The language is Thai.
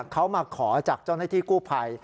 เขามาขอจากเจ้าหน้าที่กู้ภัย